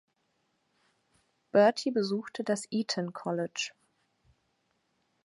Bertie besuchte das Eton College.